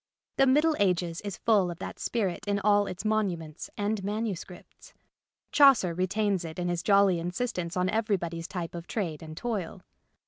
The Middle Ages is full of that spirit in all its monuments and manuscripts. Chaucer retains it in his jolly insistence on everybody's type of trade and toil.